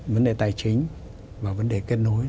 vấn đề tài chính và vấn đề kết nối